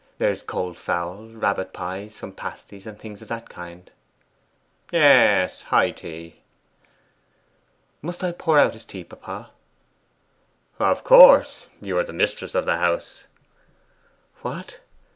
There is cold fowl, rabbit pie, some pasties, and things of that kind.' 'Yes, high tea.' 'Must I pour out his tea, papa?' 'Of course; you are the mistress of the house.' 'What!